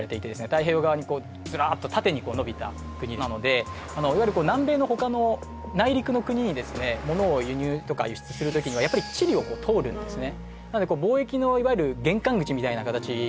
太平洋側にこうずらっと縦にのびた国なのでいわゆる南米の他の内陸の国にですねものを輸入とか輸出する時にはやっぱりチリを通るんですね